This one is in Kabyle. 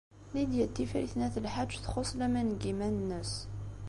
Lidya n Tifrit n At Lḥaǧ txuṣṣ laman deg yiman-nnes.